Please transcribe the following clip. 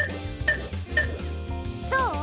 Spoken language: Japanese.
どう？